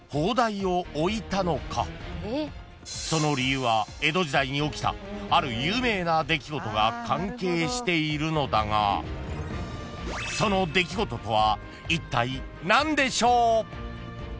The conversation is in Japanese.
［その理由は江戸時代に起きたある有名な出来事が関係しているのだがその出来事とはいったい何でしょう］